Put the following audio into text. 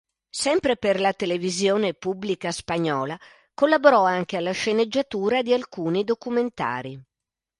Sempre per la televisione pubblica spagnola, collaborò anche alla sceneggiatura di alcuni documentari.